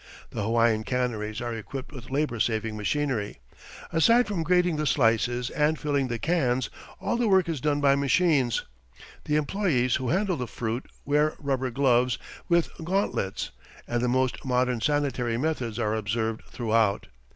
The Hawaiian canneries are equipped with labour saving machinery. Aside from grading the slices and filling the cans, all the work is done by machines. The employees who handle the fruit wear rubber gloves with gauntlets, and the most modern sanitary methods are observed throughout.